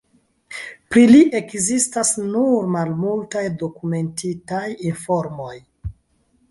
Pri li ekzistas nur malmultaj dokumentitaj informoj.